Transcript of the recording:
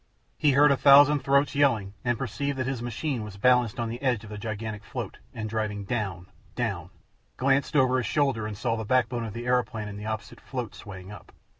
He heard a thousand throats yelling, and perceived that his machine was balanced on the edge of the gigantic float, and driving down, down; glanced over his shoulder and saw the backbone of the aeroplane and the opposite float swaying up.